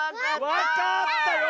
わかった！